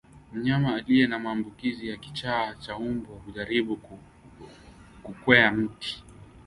Mnyama aliye na maambukizi ya kichaa cha mbwa hujaribu kukwea miti